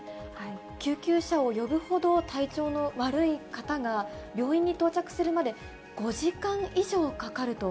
救急車を呼ぶほど体調の悪い方が病院に到着するまで５時間以上かかると。